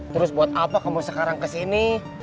terus buat apa kamu sekarang kesini